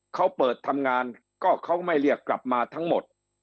เขาเปิดทำงานก็เขาไม่เรียกกลับมาทั้งหมด